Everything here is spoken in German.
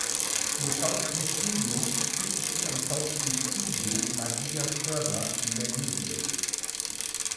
Ihr Schauspielstudium führte sie am Schauspielstudio Maria Körber in Berlin durch.